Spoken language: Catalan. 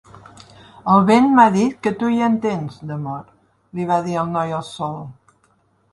"El vent m'ha dit que tu hi entens, d'amor", li va dir el noi al sol.